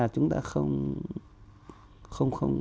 chúng ta không